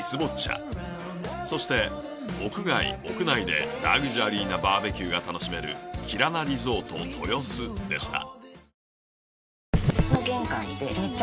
そして屋外屋内でラグジュアリーなバーベキューが楽しめるキラナリゾート豊洲でした。